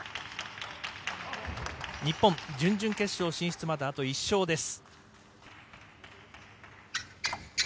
日本、準々決勝進出まであと１勝です。